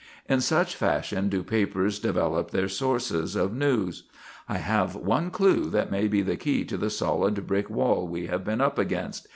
In such fashion do papers develop their "sources" of news. "I have one clue that may be the key to the solid brick wall we have been up against.